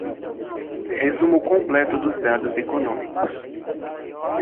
Resumo completo dos dados econômicos.